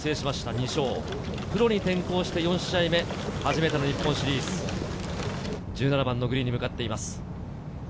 ２勝、プロに転向して４試合目、初めての日本シリーズ。１７番のグリーンに向かっています。